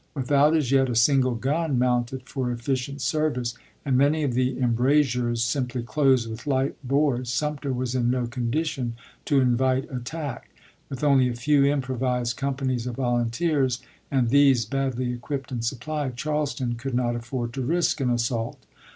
Without as yet a single gun mounted for efficient service, and many of the embrasures simply closed with light boards, Sumter was in no condition to invite at Dp.T74U tack; with only a few improvised companies of volunteers, and these badly equipped and supplied, Charleston could not afford to risk an assault.